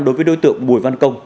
đối với đối tượng bùi văn công